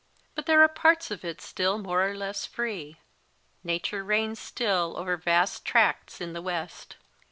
But there are parts of it still more or less free ; nature reigns still over vast tracts in the West.